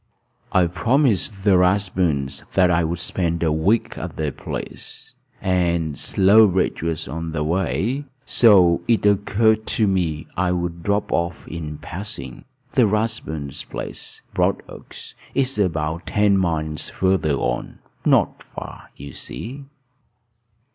"I promised the Rathburns that I would spend a week at their place; and Slowbridge was on the way, so it occurred to me I would drop off in passing. The Rathburns' place, Broadoaks, is about ten miles farther on; not far, you see."